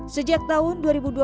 sejak tahun dua ribu dua puluh